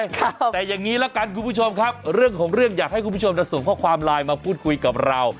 แต่อย่างนี้ละกันคุณผู้ชมครับเรื่องของเรื่องอยากให้คุณผู้ชมส่งข้อความไลน์มาพูดคุยกับเรา